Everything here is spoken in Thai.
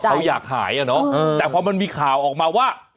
เขาอยากหายอ่ะเนาะแต่พอมันมีข่าวออกมาว่า